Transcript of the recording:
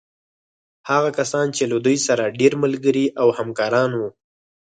هغه کسان چې له دوی سره ډېر ملګري او همکاران وو.